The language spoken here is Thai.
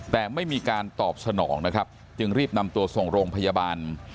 แต่ไม่มีการตอบสนองนะครับจึงรีบนำตัวส่งโรงพยาบาล